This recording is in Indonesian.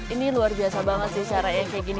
ini luar biasa banget sih cara yang kayak gini